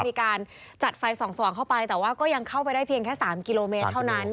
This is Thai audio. มีการจัดไฟส่องสว่างเข้าไปแต่ว่าก็ยังเข้าไปได้เพียงแค่๓กิโลเมตรเท่านั้น